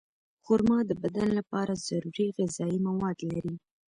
خرما د بدن لپاره ضروري غذایي مواد لري.